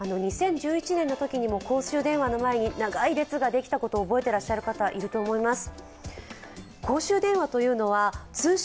２０１１年のときにも公衆電話の前に長い列ができたことを覚えてらっしゃる方いると思います。